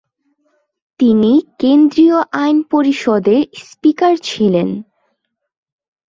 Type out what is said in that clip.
তিনি কেন্দ্রীয় আইন পরিষদের স্পিকার ছিলেন।